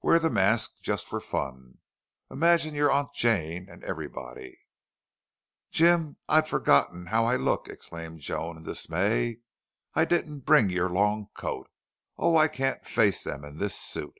Wear the mask, just for fun. Imagine your Aunt Jane and everybody!" "Jim! I'd forgotten how I look!" exclaimed Joan in dismay. "I didn't bring your long coat. Oh, I can't face them in this suit!"